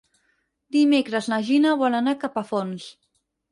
Dimecres na Gina vol anar a Capafonts.